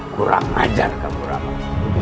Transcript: kurang ajar kamu ramah